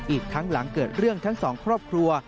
อีกทั้งหลังเกิดเรื่องทั้งสองครอบครัว